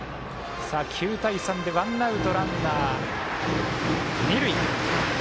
９対３でワンアウト、ランナー、二塁。